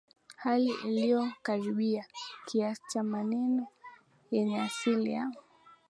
hali inayokaribia kiasi cha maneno yenye asili ya